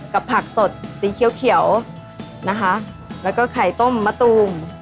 ผักสดสีเขียวนะคะแล้วก็ไข่ต้มมะตูม